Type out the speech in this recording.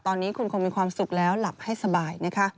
ตอนนี้คุณคงมีความสุขแล้วหลับให้สบายนะคะ